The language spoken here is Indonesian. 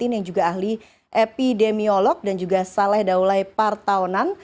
yang juga ahli epidemiolog dan juga saleh daulai partaunan